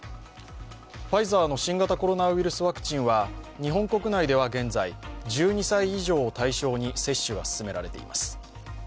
ファイザーの新型コロナウイルスワクチンは、日本国内では現在、１２歳以上を対象に接種が進められています。